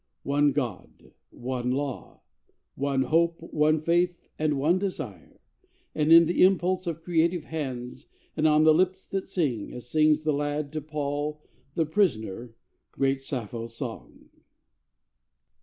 One God, One Law, one Hope, one Faith, and one Desire, Are in the impulse of creative hands, And on the lips that sing as sings the lad To Paul the prisoner, great Sappho's song!